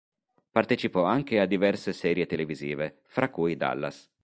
Partecipò anche a diverse serie televisive fra cui "Dallas".